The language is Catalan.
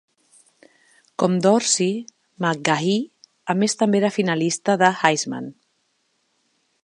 Com Dorsey, McGahee a més també era finalista de Heisman.